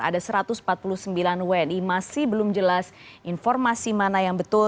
ada satu ratus empat puluh sembilan wni masih belum jelas informasi mana yang betul